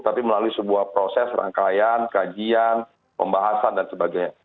tapi melalui sebuah proses rangkaian kajian pembahasan dan sebagainya